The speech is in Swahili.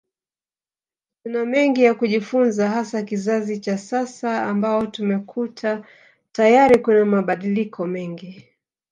Tuna mengi ya kujifunza hasa kizazi cha sasa ambao tumekuta tayari kuna mabadiliko mengi